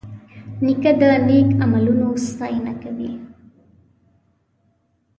نیکه د نیک عملونو ستاینه کوي.